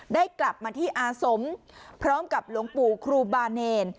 ได้กลับมาที่อาสมพร้อมกับหลวงปู่ครูบาเนร